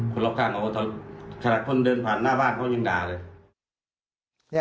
ครบข้างขนาดแค่คนผ่านหน้าบ้านเขาก็ยังด่าเลย